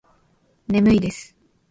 眠いです